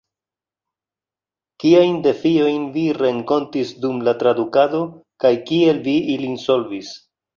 Kiajn defiojn vi renkontis dum la tradukado, kaj kiel vi ilin solvis?